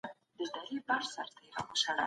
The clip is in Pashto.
قونسلګرۍ د خپلو وګړو ستونزي حلوي.